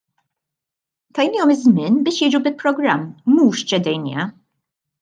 Tajniehom iż-żmien biex jiġu bi programm mhux ċedejnieha.